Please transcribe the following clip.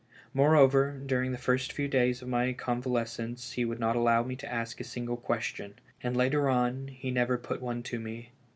Moreover, during the first few days of my convalescence he would not allow me to ask a single question ; and later on, he never put one to me.